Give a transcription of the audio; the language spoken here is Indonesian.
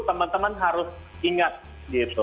teman teman harus ingat gitu